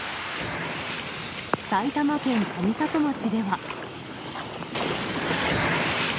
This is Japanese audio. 埼玉県上里町では。